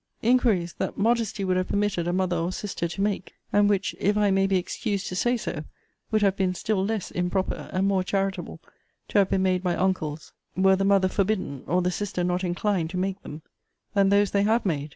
inquiries that modesty would have permitted a mother or sister to make; and which, if I may be excused to say so, would have been still less improper, and more charitable, to have been made by uncles, (were the mother forbidden, or the sister not inclined, to make them,) than those they have made.